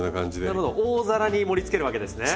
なるほど大皿に盛りつけるわけですね。